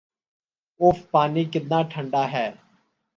if پانی کتنا ٹھنڈا ہے